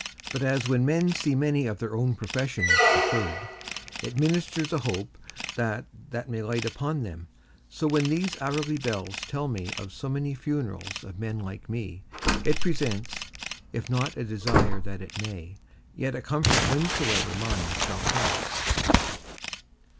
But as when men see many of their own professions preferred, it ministers a hope that that may light upon them; so when these hourly bells tell me of so many funerals of men like me, it presents, if not a desire that it may, yet a comfort whensoever mine shall come.